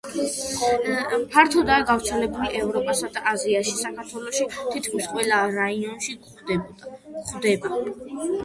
ფართოდაა გავრცელებული ევროპასა და აზიაში; საქართველოში თითქმის ყველა რაიონში გვხვდება.